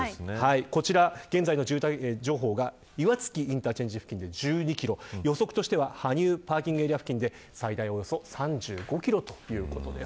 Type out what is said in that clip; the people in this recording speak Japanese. こちら、現在の渋滞情報が岩槻インターチェンジ付近で１２キロ予測としては羽生パーキングエリア付近で最大およそ３５キロということです。